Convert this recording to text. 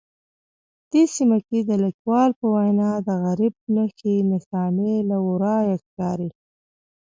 دې سیمه کې د لیکوال په وینا د غربت نښې نښانې له ورایه ښکاري